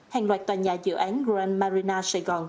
hàng loạt tòa nhà dự án grand marina sài gòn